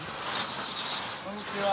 こんにちは。